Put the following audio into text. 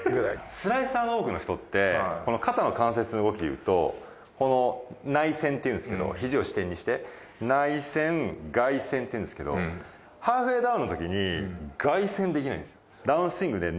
スライサーの多くの人ってこの肩の関節の動きでいうとこの内旋っていうんですけど肘を支点にして内旋外旋っていうんですけどハーフウェイダウンのときに外旋できないんです。